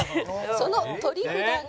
その取り札が。